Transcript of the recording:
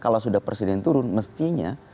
kalau sudah presiden turun mestinya